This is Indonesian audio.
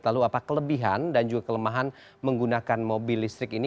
lalu apa kelebihan dan juga kelemahan menggunakan mobil listrik ini